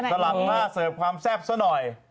สลัดหน้าเสิร์ฟความแซ่บซะหน่อย